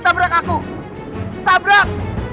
tabrak aku tabrak